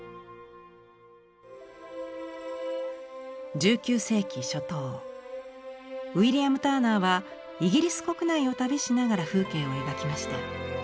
１９世紀初頭ウィリアム・ターナーはイギリス国内を旅しながら風景を描きました。